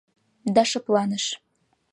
— Да шыпланыш.